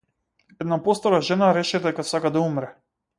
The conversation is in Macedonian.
Една постара жена реши дека сака да умре.